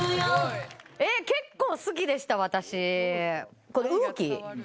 結構好きでした私。